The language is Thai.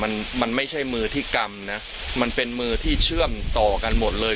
มันมันไม่ใช่มือที่กรรมนะมันเป็นมือที่เชื่อมต่อกันหมดเลย